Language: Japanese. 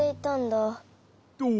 どう？